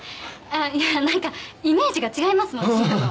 あぁいや何かイメージが違いますもんチーフとは。